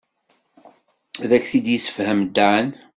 Ad ak-t-id-yessefhem Dan.